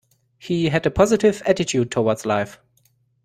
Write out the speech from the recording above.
He had a positive attitude towards life.